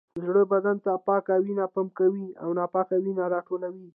زړه بدن ته پاکه وینه پمپ کوي او ناپاکه وینه راټولوي